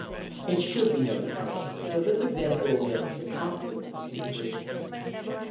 It should be noted, however, that this example omits the constants of integration.